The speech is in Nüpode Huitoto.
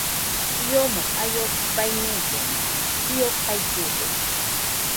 Iomo jaio baiñellena, io gaigɨde